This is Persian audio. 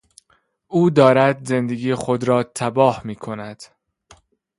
او دارد زندگی خود را تباه میکند.